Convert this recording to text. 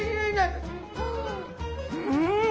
うん。